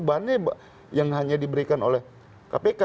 bahannya yang hanya diberikan oleh kpk